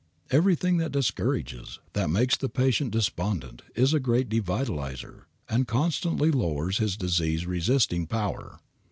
Everything that discourages, that makes the patient despondent, is a great devitalizer, and constantly lowers his disease resisting power.